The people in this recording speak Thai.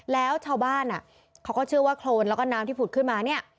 แล้วชาวบ้านเขาก็เชื่อว่าโครนแล้วก็น้ำที่ผุดขึ้นมาเนี่ย